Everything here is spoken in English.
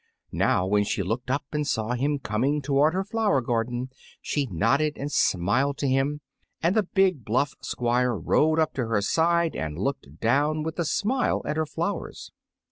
Now, when she looked up and saw him coming toward her flower garden, she nodded and smiled at him, and the big bluff Squire rode up to her side, and looked down with a smile at her flowers.